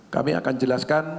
kami akan jelaskan